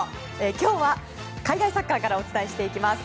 今日は、海外サッカーからお伝えしていきます。